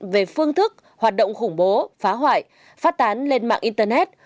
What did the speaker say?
về phương thức hoạt động khủng bố phá hoại phát tán lên mạng internet